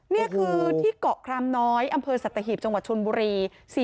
นี่คือที่เกาะครามน้อยอำเภอสัตหีบจังหวัดชนบุรี